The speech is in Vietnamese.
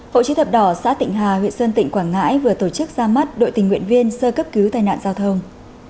hội chữ thập đỏ xã tịnh hà huyện sơn tịnh quảng ngãi vừa tổ chức ra mắt đội tình nguyện viên sơ cấp cứu tai nạn giao thông